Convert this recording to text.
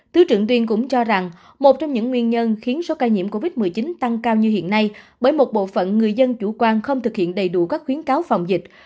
thứ trưởng tuyên cũng cho rằng một trong những nguyên nhân khiến số ca nhiễm covid một mươi chín tăng cao như hiện nay bởi một bộ phận người dân chủ quan không thực hiện đầy đủ các khuyến cáo phòng dịch